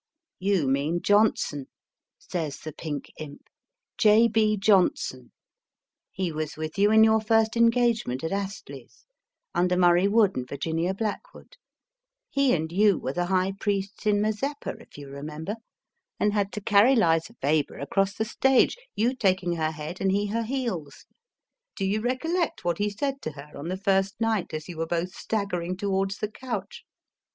You mean Johnson, says the pink imp ; J. B. Johnson. He was with you in your first engagement at Astley s, under Murray Wood and Virginia Blackwood. He and you were the High Priests in " Mazeppa," if you remember, and had to carry Lisa Weber across the stage, you taking her head and he her heels. Do you recollect what he said to her, on the first night, as you were both staggering towards the couch?